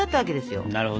なるほどね。